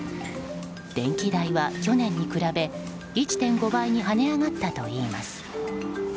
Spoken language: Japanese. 電気代は去年に比べ１．５倍に跳ね上がったといいます。